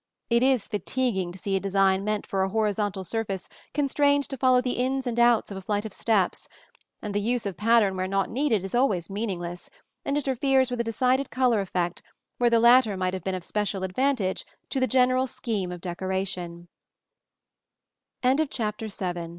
It is fatiguing to see a design meant for a horizontal surface constrained to follow the ins and outs of a flight of steps; and the use of pattern where not needed is always meaningless, and interferes with a decided color effect where the latter might have been of special advantage